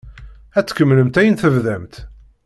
Ad tkemmlemt ayen tebdamt?